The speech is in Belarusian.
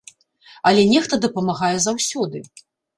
Але нехта дапамагае заўсёды.